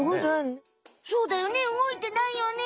そうだよね動いてないよね。